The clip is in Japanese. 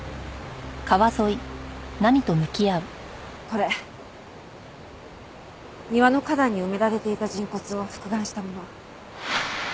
これ庭の花壇に埋められていた人骨を復顔したもの。